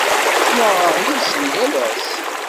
Ttnaɣeɣ yid-sen yal ass.